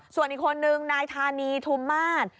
ส่วนอีกคนนึงนายธานีทุมมาศ